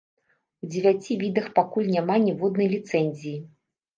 У дзевяці відах пакуль няма ніводнай ліцэнзіі.